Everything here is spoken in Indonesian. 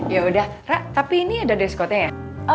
ya udah ra tapi ini ada dress code nya ya